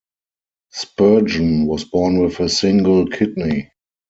Spurgeon was born with a single kidney.